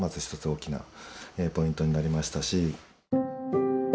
大きなポイントになりましたし。